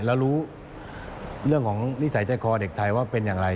แล้วรู้เรื่องของนิสัยใจคอเด็กไทยว่าเป็นอย่างไร